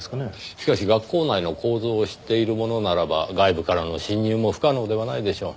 しかし学校内の構造を知っている者ならば外部からの侵入も不可能ではないでしょう。